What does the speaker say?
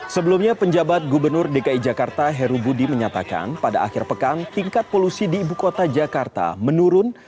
sebelumnya penjabat gubernur dki jakarta heru budi menyatakan pada akhir pekan tingkat polusi di ibu kota jakarta menurun